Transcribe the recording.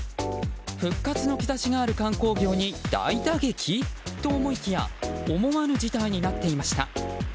復活の兆しがある観光業に大打撃？と思いきや思わぬ事態になっていました。